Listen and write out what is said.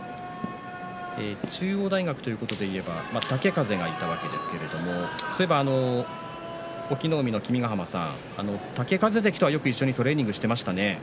中央大学ということでいえば豪風がいたわけですけれど隠岐の海の君ヶ濱さん豪風関とはよく一緒にトレーニングをしていましたね。